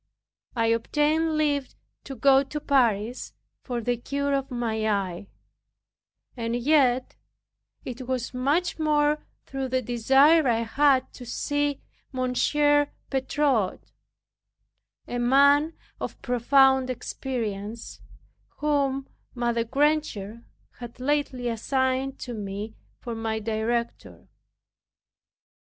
I obtained leave to go to Paris for the cure of my eye; and yet it was much more through the desire I had to see Monsieur Bertot, a man of profound experience, whom Mother Granger had lately assigned to me for my director.